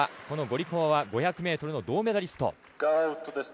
このゴリコワは５００ｍの銅メダリスト。